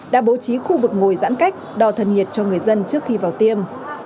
đã bố trí khu vực ngồi giãn cách đò thân nhiệt cho người dân trước khi vào tiêm